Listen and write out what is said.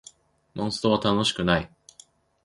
モンストは楽しくない